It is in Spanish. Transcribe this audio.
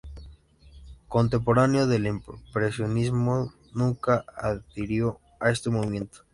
Contemporáneo del impresionismo, nunca adhirió a este movimiento.